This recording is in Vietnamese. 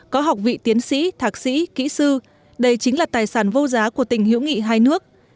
có học vị tiến sĩ thạc sĩ kỹ sư đây chính là tài sản vô giá của tình hữu nghị hai nước